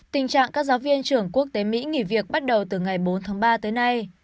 tình trạng các giáo viên trưởng quốc tế mỹ nghỉ việc bắt đầu từ ngày bốn tháng ba tới nay